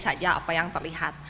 apa saja yang terlihat